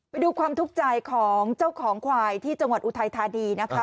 ไปดูความทุกข์ใจของเจ้าของควายที่จังหวัดอุทัยธานีนะคะ